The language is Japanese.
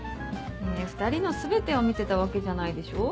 ２人の全てを見てたわけじゃないでしょ？